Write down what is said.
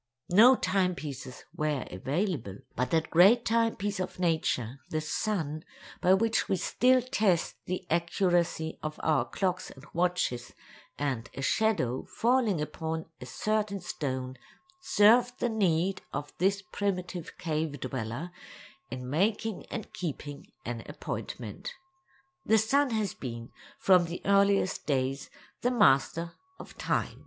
No timepieces were available, but that great timepiece of nature, the sun, by which we still test the accuracy of our clocks and watches, and a shadow falling upon a certain stone, served the need of this primitive cave dweller in making and keeping an appointment. The sun has been, from the earliest days, the master of Time.